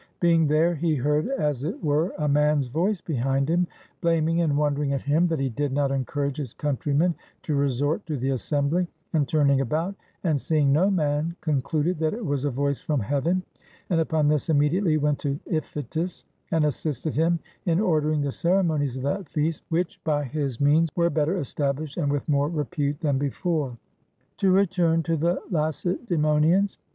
Being there, he heard as it were a man's voice behind him, blaming and won dering at him that he did not encourage his countrymen to resort to the assembly, and, turning about and seeing no man, concluded that it was a voice from heaven, and upon this immediately went to Iphitus and assisted him in ordering the ceremonies of that feast, which, by his 51 GREECE means, were better established, and with more repute than before. To return to the Lacedaemonians.